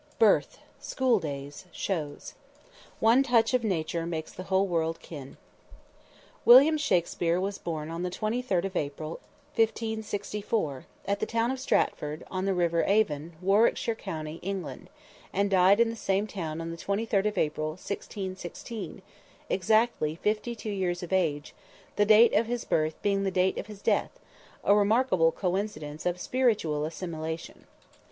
BIRTH. SCHOOL DAYS. SHOWS. "One touch of Nature makes the whole world kin." William Shakspere was born on the 23d of April, 1564, at the town of Stratford, on the river Avon, Warwickshire County, England; and died in the same town on the 23d of April, 1616, exactly fifty two years of age, the date of his birth being the date of his death, a remarkable coincidence of spiritual assimilation.